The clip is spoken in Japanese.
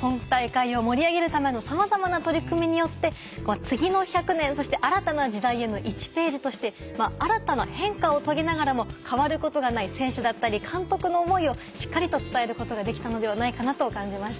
今大会を盛り上げるためのさまざまな取り組みによって次の１００年そして新たな時代への１ページとして新たな変化を遂げながらも変わることがない選手だったり監督の思いをしっかりと伝えることができたのではないかなと感じました。